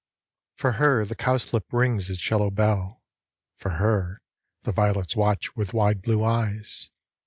For her the cowslip rings its yellow bell. For her the violets watch with wide blue eyes.